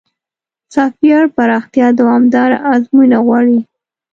سافټویر پراختیا دوامداره ازموینه غواړي.